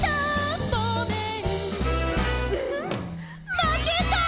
まけた」